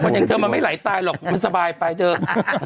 มันไม่ไหลตายหรอกมันสบายไปเจิด